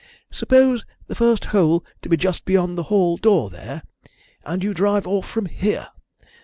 Suppose the first hole to be just beyond the hall door there, and you drive off from here.